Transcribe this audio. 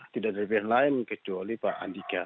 tidak ada pilihan lain kecuali pak andika